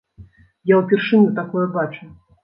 Я ўпершыню такое бачу.